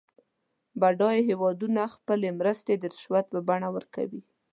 بډایه هېوادونه خپلې مرستې د رشوت په بڼه ورکوي.